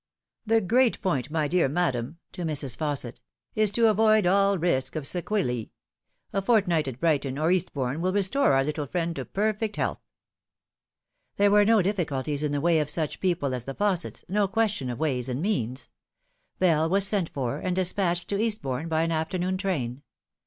The great point, my dear madam " to Mrs. Fausset " ia to avoid all risk of sequela. A fortnight at Brighton or Eastbourno will restore our little friend to perfect health." There were no difficulties in the way of such people as the Faussets, no question of ways and means. Bell was sent for, and despatched to Eastbourne by an afternoon train.